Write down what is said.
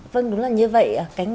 vâng đúng là như vậy